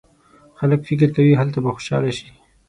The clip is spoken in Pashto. خلک فکر کوي هلته به خوشاله شي.